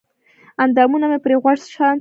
اندامونه مې پرې غوړ شانتې کړل